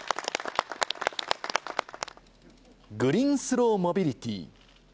グリーンスローモビリティ。